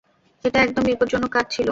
এটা একদম বিপজ্জনক কাজ ছিল।